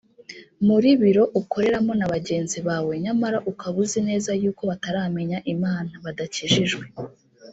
muri biro ukoreramo na bagenzi bawe nyamara ukaba uzi neza y’uko bataramenya Imana (badakijijwe)